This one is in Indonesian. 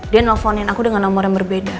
dia nelfonin aku dengan nomor yang berbeda